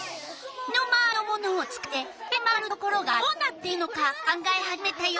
身の回りのものを使ってうでの曲がるところがどうなっているのか考え始めたよ。